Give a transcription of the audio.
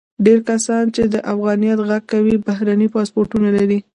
ډیری کسان چې د افغانیت غږ کوي، بهرني پاسپورتونه لري.